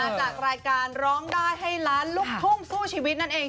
จากรายการร้องได้ให้ล้านลูกทุ่งสู้ชีวิตนั่นเอง